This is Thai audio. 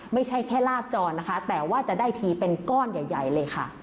ไม่ใช่แค่ลาบจรนะคะแต่ว่าจะได้ทีเป็นก้อนใหญ่เลยค่ะ